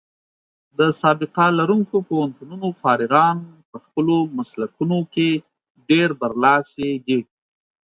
د سابقه لرونکو پوهنتونونو فارغان په خپلو مسلکونو کې ډېر برلاسي دي.